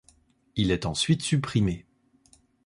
Il est ensuite supprimé.